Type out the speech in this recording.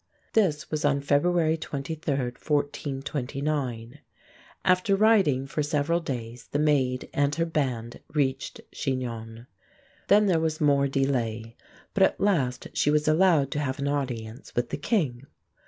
This was on February 23, 1429. After riding for several days, the maid and her band reached Chinon. Then there was more delay; but at last she was allowed to have an audience with the king.